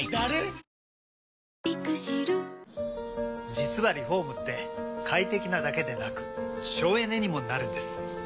実はリフォームって快適なだけでなく省エネにもなるんです。